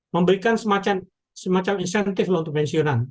memberikan semacam insentif untuk pensiunan